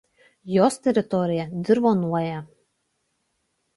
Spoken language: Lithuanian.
Jos teritorija dirvonuoja.